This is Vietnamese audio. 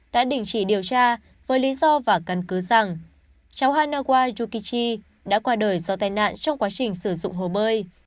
đã đình chỉ điều tra với lý do và căn cứ rằng cháu hanawa yukichi đã qua đời do tai nạn trong quá trình sử dụng hồ bơi